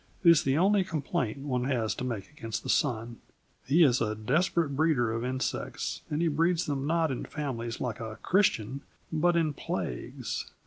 It is the only complaint one has to make against the sun. He is a desperate breeder of insects. And he breeds them not in families like a Christian but in plagues.